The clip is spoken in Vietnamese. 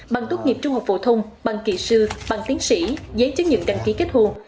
bằng tốt nghiệp trung học phổ thông bằng kỳ sư bằng tiến sĩ giấy chứng nhận đăng ký kết hôn